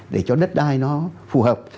để cho đất đai nó phù hợp